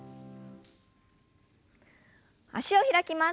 脚を開きます。